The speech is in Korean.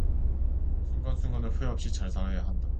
순간순간을 후회 없이 잘 살아야 한다.